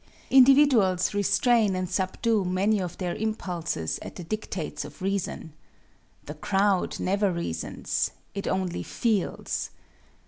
Individuals restrain and subdue many of their impulses at the dictates of reason. The crowd never reasons. It only feels.